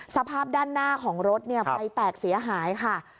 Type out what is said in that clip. สภาพด้านหน้าของรถไฟแตกเสียหายค่ะ